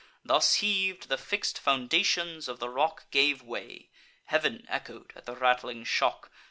Thus heav'd, the fix'd foundations of the rock Gave way; heav'n echo'd at the rattling shock.